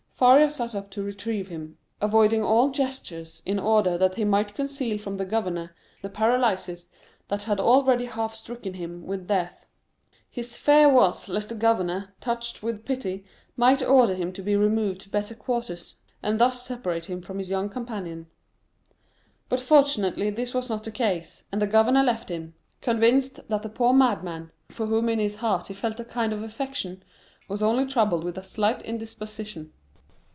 Faria sat up to receive him, avoiding all gestures in order that he might conceal from the governor the paralysis that had already half stricken him with death. His fear was lest the governor, touched with pity, might order him to be removed to better quarters, and thus separate him from his young companion. But fortunately this was not the case, and the governor left him, convinced that the poor madman, for whom in his heart he felt a kind of affection, was only troubled with a slight indisposition.